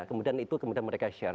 kemudian itu kemudian mereka share